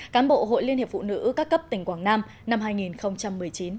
cán bộ hội liên hiệp phụ nữ các cấp tỉnh quảng nam năm hai nghìn một mươi chín